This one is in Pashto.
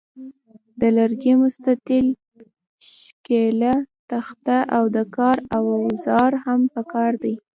د لرګي مستطیل شکله تخته او د کار اوزار هم پکار دي.